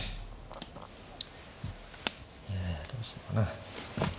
どうしようかな。